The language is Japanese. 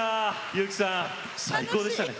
由紀さん、最高でしたね。